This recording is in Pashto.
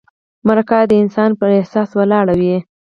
مرکه د انسان پر احساس ولاړه وي.